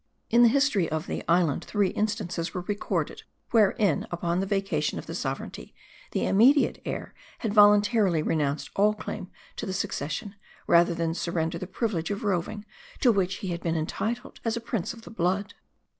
In the history of the island, three instances were record ed ; wherein, upon the vacation of the sovereignty, the im mediate heir had voluntarily renounced all claim to the succession, rather than surrender the privilege of roving, to which he had been entitled, as a prince <of the blood.